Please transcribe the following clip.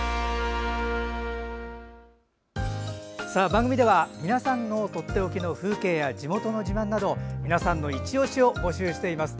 番組では、とっておきの風景や地元の自慢など皆さんのいちオシを募集しています。